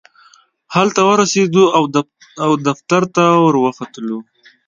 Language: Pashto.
هلته ورسېدو او دفتر ته ورختلو.